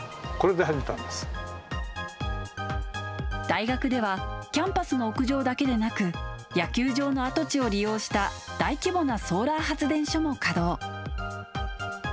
大学ではキャンパスの屋上だけでなく野球場の跡地を利用した大規模なソーラー発電所も稼働。